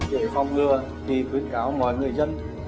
về phòng ngừa thì khuyến cáo mọi người dân